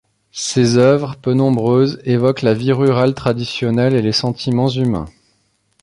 Ses œuvres, peu nombreuses, évoquent la vie rurale traditionnelle et les sentiments humains.